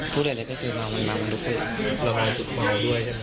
คิดว่าเกิดในน้ำลม